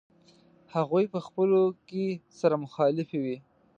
هغوی په خپلو کې سره مخالفې وې.